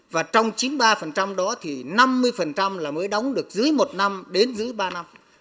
và trong chín mươi ba đó năm mươi mới đóng được dưới một năm đến dưới ba năm